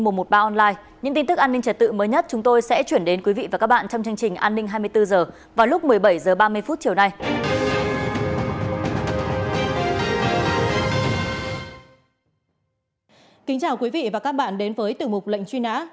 kính chào quý vị và các bạn đến với tử mục lệnh truy nã